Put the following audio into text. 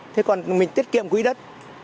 thế còn mình tiết kiệm quỹ đất